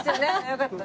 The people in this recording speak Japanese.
よかった。